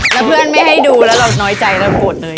แล้วเพื่อนไม่ให้ดูแล้วเราน้อยใจเราโกรธเลย